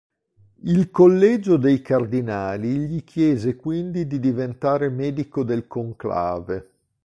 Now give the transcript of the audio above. Il Collegio dei Cardinali gli chiese quindi di diventare Medico del Conclave.